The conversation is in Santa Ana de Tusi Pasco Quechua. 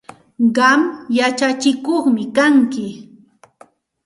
Qam yachatsikuqmi kanki.